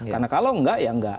karena kalau enggak ya enggak